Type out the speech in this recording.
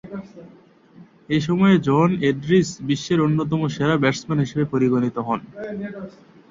এ সময়ে John Edrich বিশ্বের অন্যতম সেরা ব্যাটসম্যান হিসেবে পরিগণিত হন।